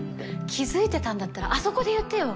気づいてたんだったらあそこで言ってよ。